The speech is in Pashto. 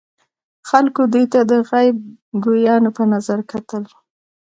خلکو دوی ته د غیب ګویانو په نظر کتل.